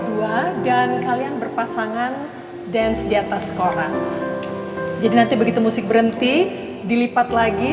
dua dan kalian berpasangan dance di atas koran jadi nanti begitu musik berhenti dilipat lagi